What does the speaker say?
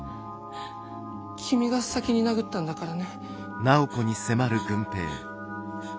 君が先に殴ったんだからね。